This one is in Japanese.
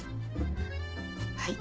はい。